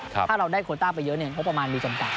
ถ้าเราได้โคตรต้าไปเยอะเนี่ยเพราะประมาณดีจนกัด